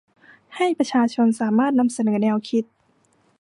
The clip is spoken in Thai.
ให้ประชาชนสามารถนำเสนอแนวคิด